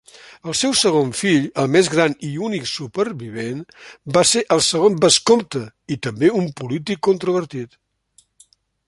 El seu segon fill, el més gran i únic supervivent, va ser el segon vescomte i també un polític controvertit.